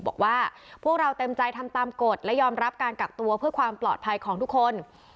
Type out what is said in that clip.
บอกว่าพวกเราเต็มใจทำตามกฎและยอมรับการกักตัวเพื่อความปลอดภัยของทุกคน